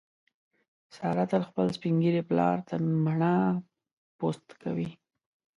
ساره تل خپل سپین ږیري پلار ته مڼه پوست کوي.